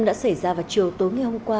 đã xảy ra vào chiều tối ngày hôm qua